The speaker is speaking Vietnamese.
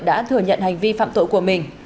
đã thừa nhận hành vi phạm tội của mình